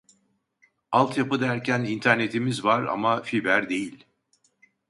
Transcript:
Alt yapı derken internetimiz var ama fiber değil